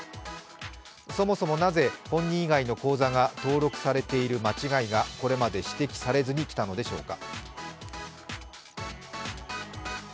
そもそもなぜ本人以外の口座が登録されている間違いがこれまで指摘されずにきたのでしょうか。